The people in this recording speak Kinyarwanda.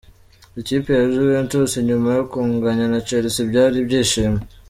Ikipe ya Juventus nyuma yo kunganya na Chelsea byari ibyishimo.